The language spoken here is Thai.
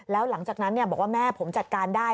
แล้วหลังจากนั้นบอกว่าแม่ผมจัดการได้